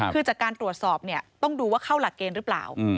คือจากการตรวจสอบเนี่ยต้องดูว่าเข้าหลักเกณฑ์หรือเปล่า